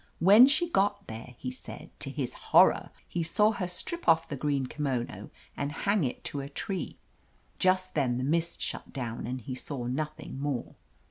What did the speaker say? When she got there, he said, to his horror he saw her strip off the green kimono and hang it to a tree. Just then the mist shut down and he saw nothing more.